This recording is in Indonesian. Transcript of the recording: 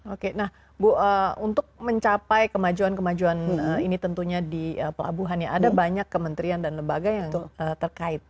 oke nah bu untuk mencapai kemajuan kemajuan ini tentunya di pelabuhan ya ada banyak kementerian dan lembaga yang terkait